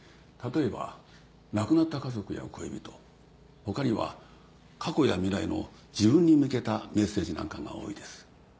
例えば亡くなった家族や恋人他には過去や未来の自分に向けたメッセージなんかが多いです。